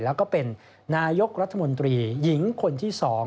แล้วก็เป็นนายกรัฐมนตรีหญิงคนที่๒